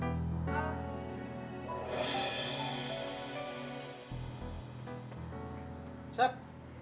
sep dompet gue ilang lagi nih sep